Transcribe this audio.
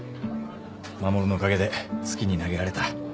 護のおかげで好きに投げられた。